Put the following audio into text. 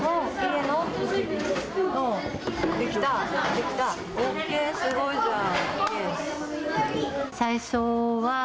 できた？ＯＫ、すごいじゃん。